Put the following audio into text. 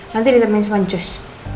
nanti ditemani sama cus